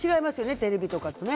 テレビとかとね。